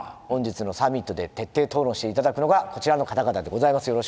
本日のサミットで徹底討論して頂くのがこちらの方々でございます。